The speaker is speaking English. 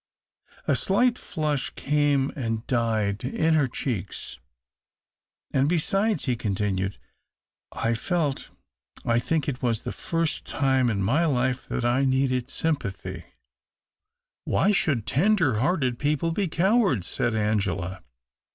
A slight flush came and died in her cheeks. " And, besides," he continued, " I felt — I think it was the first time in my life — that I needed sympathy." "Why should tender hearted people be cowards?" said Angela.